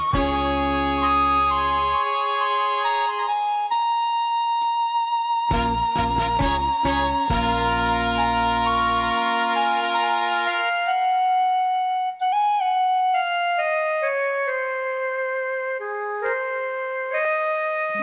และคำนึงกับการนำตำรวจ